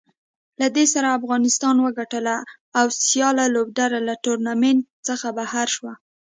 له دې سره افغانستان وګټله او سیاله لوبډله له ټورنمنټ څخه بهر شوه